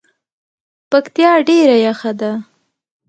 پکتیا ډیره یخه ده